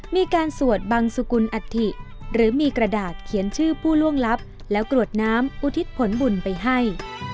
มีการสวดบังสุกุลอัฐิหรือมีกระดาษเขียนชื่อผู้ล่วงลับแล้วกรวดน้ำอุทิศผลบุญไปให้